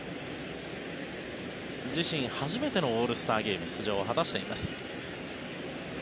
自身初めてのオールスターゲーム出場を果たしています。